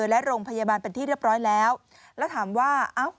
และโรงพยาบาลเป็นที่เรียบร้อยแล้วแล้วถามว่าเอ้า